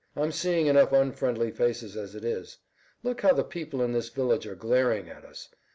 I'm seeing enough unfriendly faces as it is. Look how the people in this village are glaring at us.